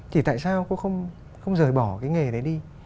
thì tại sao cô không rời bỏ cái nghề đấy đi